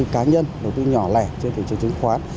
đầu tư cá nhân đầu tư nhỏ lẻ trên thị trường chứng khoán